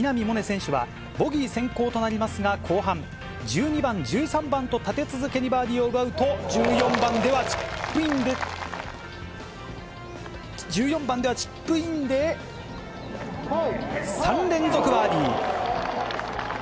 萌寧選手は、ボギー先行となりますが、後半、１２番、１３番と立て続けにバーディーを奪うと、１４番ではチップインで３連続バーディー。